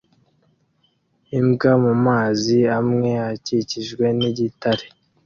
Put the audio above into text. Imbwa mumazi amwe akikijwe nigitare